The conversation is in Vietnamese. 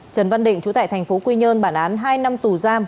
trần văn định trú tại thành phố quy nhơn bản án hai năm tù giam